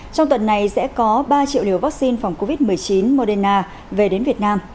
trong tuần này sẽ có ba triệu liều vaccine phòng covid một mươi chín moderna về đến việt nam